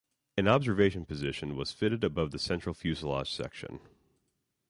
An observation position was fitted above the central fuselage section.